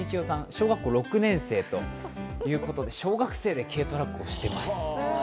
小学校６年生ということで小学生で軽トラックを押しています。